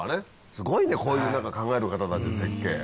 すごいねこういう何か考える方たち設計。